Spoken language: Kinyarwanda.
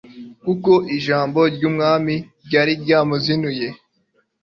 kuko ijambo ry umwami ryari ryamuzinuye